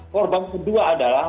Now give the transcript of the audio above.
korban kedua adalah